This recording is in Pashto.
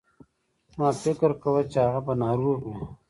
ما فکر کاوه چې هغه به ناروغ وي.